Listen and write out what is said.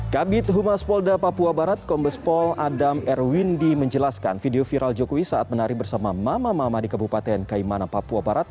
kabit humas polda papua barat kombespol adam erwindi menjelaskan video viral jokowi saat menari bersama mama mama di kabupaten kaimana papua barat